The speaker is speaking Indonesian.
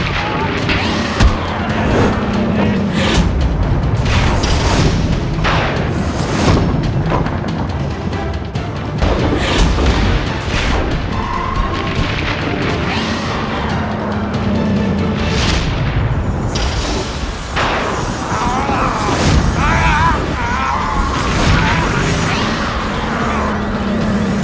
kau tidak bisa keluar dari sini